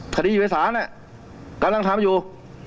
คดีอยู่ไอ้สานะกำลังทำอยู่